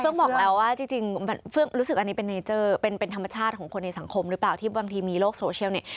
ต้องบอกแล้วว่าจริงรู้สึกอันนี้เป็นเนเจอร์เป็นธรรมชาติของคนในสังคมหรือเปล่าที่บางทีมีโลกโซเชียลเนี่ย